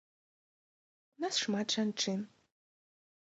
У нас шмат жанчын.